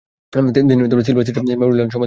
তিনি সিলভার সিটির Memory Lane সমাধিতে সমাহিত হন।